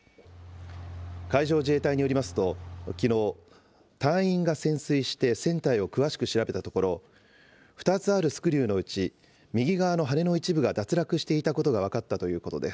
海上自衛隊によりますと、きのう、隊員が潜水して船体を詳しく調べたところ、２つあるスクリューのうち、右側の羽根の一部が脱落していたことが分かったということです。